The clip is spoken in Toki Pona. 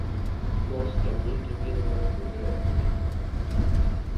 monsuta mi li wile moku e oko mi.